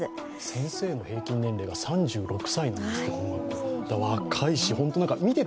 先生の平均年齢が３６歳なんですって。